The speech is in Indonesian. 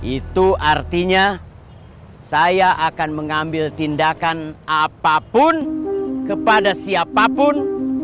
itu artinya saya akan mengambil tindakan apapun kepada siapapun